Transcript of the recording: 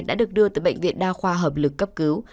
đã được đưa tới bệnh viện đa khoa hợp lực cấp cứu